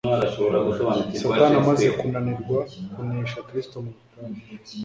Satani amaze kunanirwa kunesha Kristo mu butayu,